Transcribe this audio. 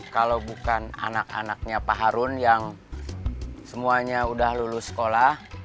kalau bukan anak anaknya pak harun yang semuanya udah lulus sekolah